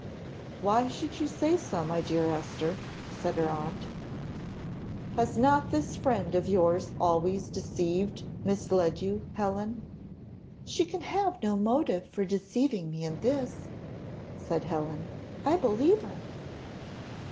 "Why should you say so, my dear Esther?" said her aunt. "Has not this friend of yours always deceived, misled you, Helen?" "She can have no motive for deceiving me in this," said Helen: "I believe her."